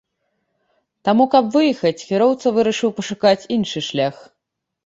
Таму, каб выехаць, кіроўца вырашыў пашукаць іншы шлях.